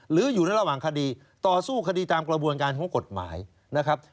หรืออยู่ในระหว่างคดีต่อสู้คดีตามกระบวนการของกฎหมายนะครับ